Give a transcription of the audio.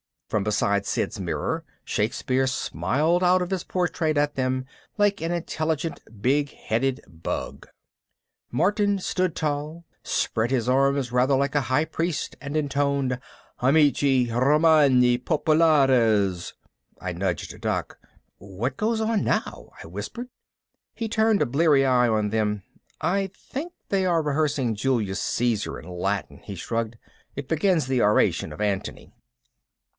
From beside Sid's mirror, Shakespeare smiled out of his portrait at them like an intelligent big headed bug. Martin stood tall, spread his arms rather like a high priest, and intoned, "Amici! Romani! Populares!" I nudged Doc. "What goes on now?" I whispered. He turned a bleary eye on them. "I think they are rehearsing Julius Caesar in Latin." He shrugged. "It begins the oration of Antony."